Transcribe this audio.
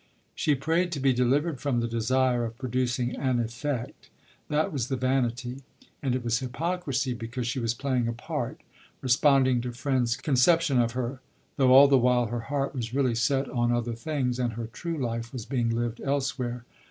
She prayed to be delivered from "the desire of producing an effect." That was the "vanity"; and it was "hypocrisy," because she was playing a part, responding to friends' conception of her, though all the while her heart was really set on other things, and her true life was being lived elsewhere.